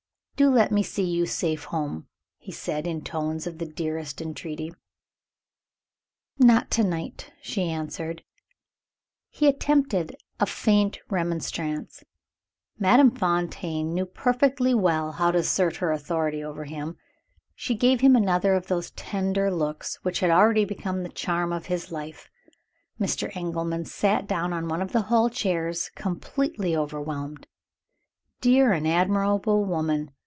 "Do let me see you safe home!" he said, in tones of the tenderest entreaty. "Not to night," she answered. He attempted a faint remonstrance. Madame Fontaine knew perfectly well how to assert her authority over him she gave him another of those tender looks which had already become the charm of his life. Mr. Engelman sat down on one of the hall chairs completely overwhelmed. "Dear and admirable woman!"